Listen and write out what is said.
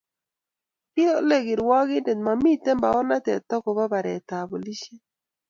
kale kirwakindet kimamiten baornatet ako ba baret ab polishit